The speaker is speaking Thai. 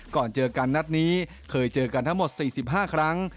ก่อนเจอกันนัดนี้เคยเจอกันทั้งหมด๔๕ครั้ง